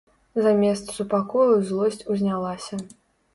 Замест супакою злосць узнялася.